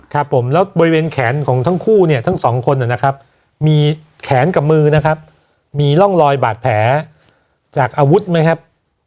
ครับผมแล้วบริเวณแขนของทั้งคู่เนี่ยทั้งสองคนนะครับมีแขนกับมือนะครับมีร่องรอยบาดแผลจากอาวุธไหมครับ